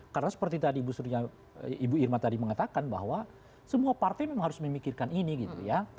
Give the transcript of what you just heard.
karena seperti tadi ibu irma tadi mengatakan bahwa semua partai memang harus memikirkan ini gitu ya